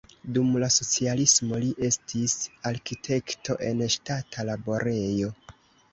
Dum la socialismo li estis arkitekto en ŝtata laborejo.